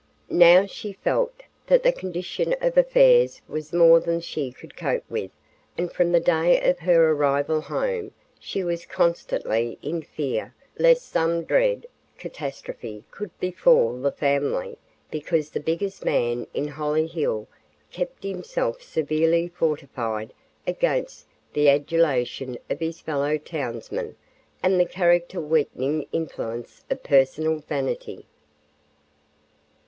Now she felt that the condition of affairs was more than she could cope with and from the day of her arrival home she was constantly in fear lest some dread catastrophe should befall the family because the "biggest man" in Hollyhill kept himself severely fortified against the adulation of his fellow townsmen and the character weakening influence of personal vanity.